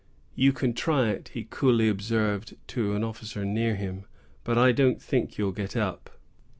"You can try it," he coolly observed to an officer near him; "but I don't think you'll get up."